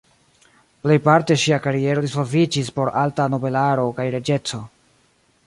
Plejparte ŝia kariero disvolviĝis por alta nobelaro kaj reĝeco.